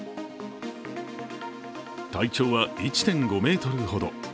体長は１．５ｍほど。